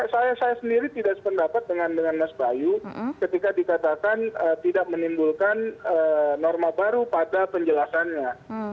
saya sendiri tidak sependapat dengan mas bayu ketika dikatakan tidak menimbulkan norma baru pada penjelasannya